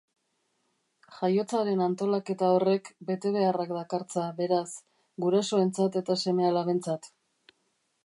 Jaiotzaren antolaketa horrek betebeharrak dakartza, beraz, gurasoentzat eta seme-alabentzat.